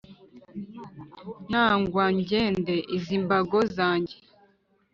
nangwa nzende izi mbago zanjye